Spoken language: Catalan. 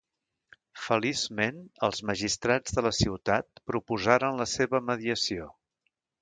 Feliçment els magistrats de la ciutat proposaren la seva mediació.